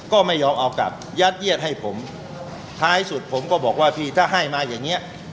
ก็ไม่ยอมเอากลับยัดเยียดให้ผมท้ายสุดผมก็บอกว่าพี่ถ้าให้มาอย่างเงี้ย